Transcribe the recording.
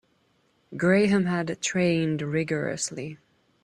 Graham had trained rigourously.